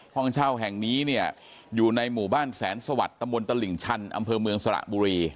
ห้องเช่าแห่งนี้เนี่ยอยู่ในหมู่บ้านแสนสวัสดิ์ตำบลตลิ่งชันอำเภอเมืองสระบุรี